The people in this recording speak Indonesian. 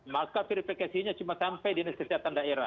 maka verifikasinya cuma sampai di inisiasi daerah